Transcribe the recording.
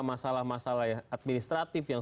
masalah masalah administratif yang